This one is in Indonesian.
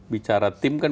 bicara tim kan